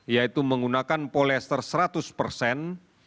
yaitu menggunakan polyester seratus persen